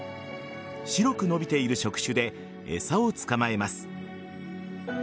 白く伸びている触手で餌を捕まえます。